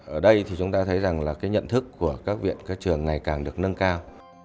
ở đây thì chúng ta thấy rằng là cái nhận thức của các viện các trường ngày càng được nâng cao